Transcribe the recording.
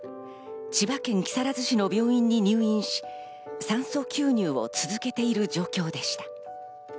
千葉県木更津市の病院に入院し、酸素吸入を続けている状況でした。